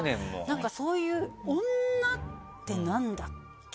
なんかそういう女って何だっけ？